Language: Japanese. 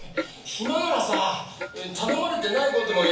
暇ならさ頼まれてない事もやってけよ。